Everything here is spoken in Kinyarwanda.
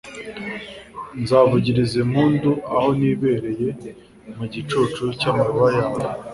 nzavugiriza impundu aho nibereye mu gicucu cy’amababa yawe